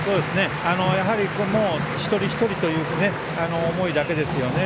やはり、一人一人という思いだけですよね。